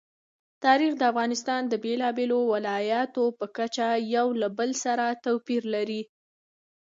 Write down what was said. تاریخ د افغانستان د بېلابېلو ولایاتو په کچه یو له بل سره توپیر لري.